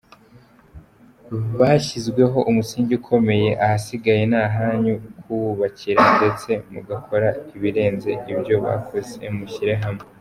Bashyizeho umusingi ukomeye ahasigaye ni ahanyu kuwubakiraho ndetse mugakora ibirenze ibyo bakoze mushyize hamwe”.